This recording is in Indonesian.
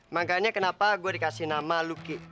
makanya kenapa gue dikasih nama luki